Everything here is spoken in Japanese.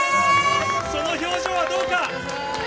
その表情はどうか。